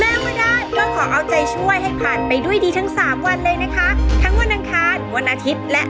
เอาใจช่วยให้ผ่านไปด้วยดีทั้ง๓วันเลยนะคะวันอาทิตย์และ